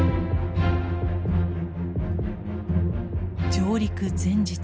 上陸前日。